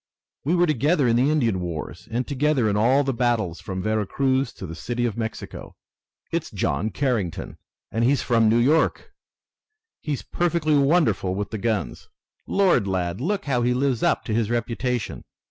We were together in the Indian wars, and together in all the battles from Vera Cruz to the City of Mexico. It's John Carrington, and he's from New York! He's perfectly wonderful with the guns! Lord, lad, look how he lives up to his reputation!